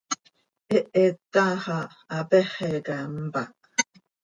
Hehet taax ah hapéxeca mpáh.